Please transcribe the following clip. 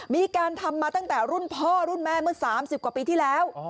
มีการทำมาตั้งแต่รุ่นพ่อรุ่นแม่เมื่อ๓๐กว่าปีที่แล้ว